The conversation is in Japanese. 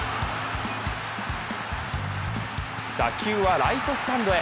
打球はライトスタンドへ。